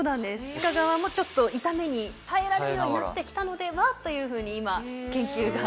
シカ側もちょっと痛みに耐えられるようになって来たのでは？というふうに今研究が。